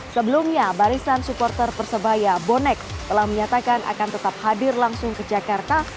sebelumnya barisan supporter persebaya bonek telah menyatakan akan tetap hadir langsung ke jakarta